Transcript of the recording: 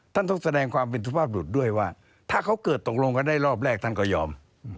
ต้องแสดงความเป็นสุภาพบุรุษด้วยว่าถ้าเขาเกิดตกลงกันได้รอบแรกท่านก็ยอม